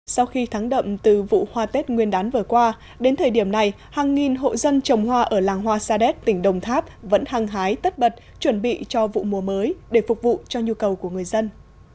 sau khi thắng đậm từ vụ hoa tết nguyên đán vừa qua đến thời điểm này hàng nghìn hộ dân trồng hoa ở làng hoa sa đéc tỉnh đồng tháp vẫn hăng hái tất bật chuẩn bị cho vụ mùa mới để phục vụ cho nhu cầu của người dân